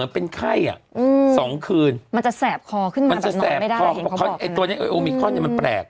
อืมสองคืนมันจะแซ่บคอขึ้นมาแบบนอนไม่ได้เห็นเขาบอกตัวนี้มันแปลก